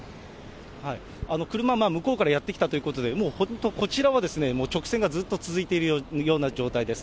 車、向こうからやって来たということで、もう本当、こちらはもう直線がずっと続いているような状態です。